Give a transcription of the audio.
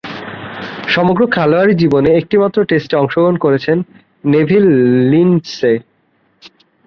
সমগ্র খেলোয়াড়ী জীবনে একটিমাত্র টেস্টে অংশগ্রহণ করেছেন নেভিল লিন্ডসে।